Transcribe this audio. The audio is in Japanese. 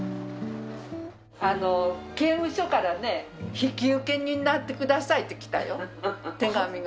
刑務所からね、引受人になってくださいって来たよ、手紙が。